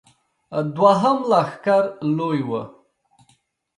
دوهم لښکر لوی و.